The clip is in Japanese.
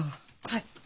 はい。